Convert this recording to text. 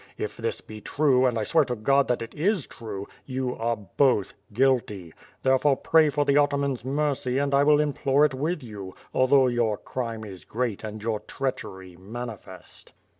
If this be true and I swear to God that it is true, you are both guilty. Therefore pray for the atamans' mercy and I will implore it with you, although your crime is great and your treachery manifest."